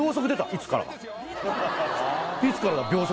いつから？